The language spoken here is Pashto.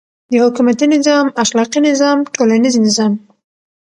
. د حکومتی نظام، اخلاقی نظام، ټولنیز نظام